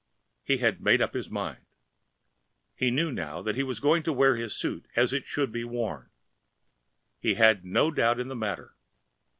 He had made up his mind. He knew now that he was going to wear his suit as it should be worn. He had no doubt in the matter.